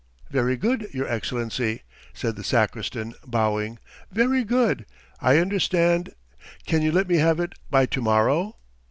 "Very good, your Excellency!" said the sacristan, bowing. "Very good, I understand. ..." "Can you let me have it by to morrow?"